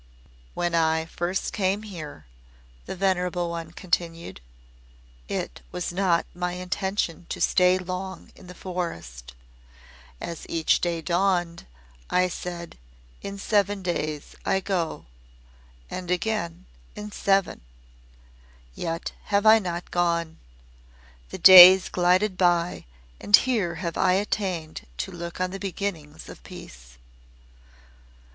"When I first came here" the Venerable one continued "it was not my intention to stay long in the forest. As each day dawned, I said; 'In seven days I go.' And again 'In seven.' Yet have I not gone. The days glided by and here have I attained to look on the beginnings of peace.